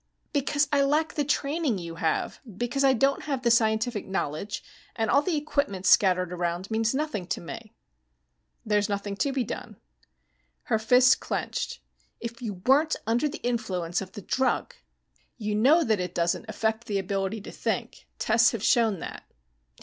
"Because I lack the training you have. Because I don't have the scientific knowledge, and all the equipment scattered around means nothing to me." "There's nothing to be done." Her fists clenched. "If you weren't under the influence of the drug " "You know that it doesn't affect the ability to think. Tests have shown that."